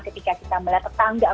ketika kita melihat tetangga